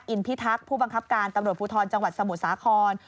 อินพิทักษ์ผู้บังคับการตำรวจภูทรจังหวัดสมุทรสาคร